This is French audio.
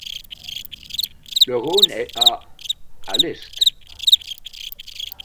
Le Rhône est à à l'est.